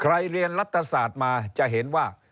เรียนรัฐศาสตร์มาจะเห็นว่า